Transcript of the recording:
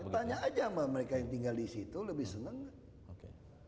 tanya aja sama mereka yang tinggal di situ lebih seneng gak